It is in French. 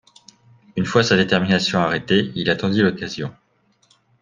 Une fois sa détermination arrêtée, il attendit l’occasion.